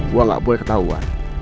gua gak boleh ketahuan